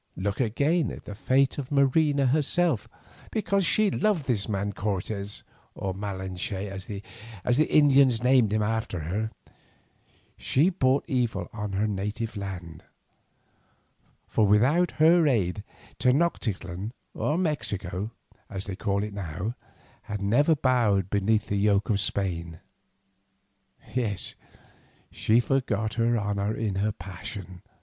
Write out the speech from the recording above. Look again at the fate of Marina herself. Because she loved this man Cortes, or Malinche, as the Indians named him after her, she brought evil on her native land; for without her aid Tenoctitlan, or Mexico, as they call it now, had never bowed beneath the yoke of Spain—yes, she forgot her honour in her passion.